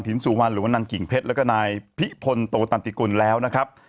สุวรรณหรือว่านางกิ่งเพชรแล้วก็นายพิพลโตตันติกุลแล้วนะครับ